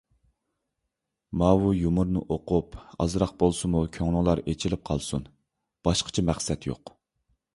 ماۋۇ يۇمۇرنى ئوقۇپ، ئازراق بولسىمۇ كۆڭلۈڭلار ئېچىلىپ قالسۇن. باشقىچە مەقسەت يوق.